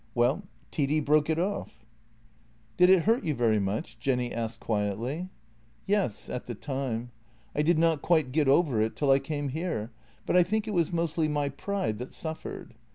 Well — Titti broke it off." 102 JENNY " Did it hurt you very much? " Jenny asked quietly. " Yes, at the time. I did not quite get over it till I came here, but I think it was mostly my pride that suffered.